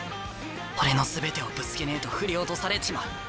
俺の全てをぶつけねえと振り落とされちまう。